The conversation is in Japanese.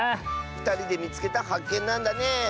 ふたりでみつけたはっけんなんだね！